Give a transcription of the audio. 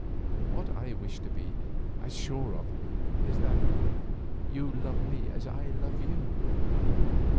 What I wish to be as sure of is that you love me as I love you."